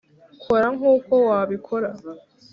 kora nkuko wabikora